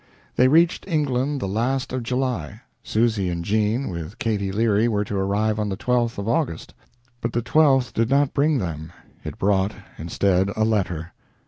They reached England the last of July. Susy and Jean, with Katy Leary, were to arrive on the 12th of August. But the 12th did not bring them it brought, instead, a letter.